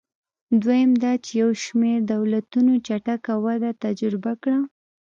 دویم دا چې یو شمېر دولتونو چټکه وده تجربه کړه.